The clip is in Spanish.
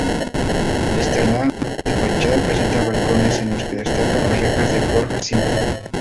Externamente su fachada presenta balcones en los que destacan las rejas de forja simple.